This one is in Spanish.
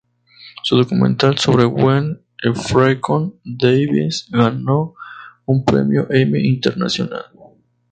Su documental sobre Gwen Ffrangcon-Davies ganó un premio Emmy Internacional.